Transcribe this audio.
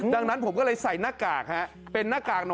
ดังนั้นผมก็เลยใส่หน้ากาก